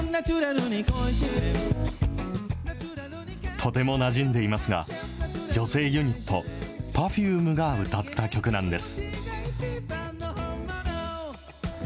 とてもなじんでいますが、女性ユニット、Ｐｅｒｆｕｍｅが歌った曲なんです。